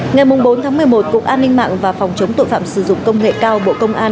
ngày bốn một mươi một cục an ninh mạng và phòng chống tội phạm sử dụng công nghệ cao bộ công an